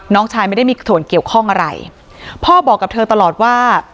น้องชายไม่ได้มีส่วนเกี่ยวข้องอะไรพ่อบอกกับเธอตลอดว่า